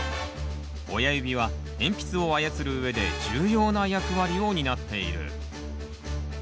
親指は鉛筆を操るうえで重要な役割を担っている！